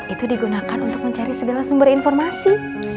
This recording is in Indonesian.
itu digunakan untuk mencari segala sumber informasi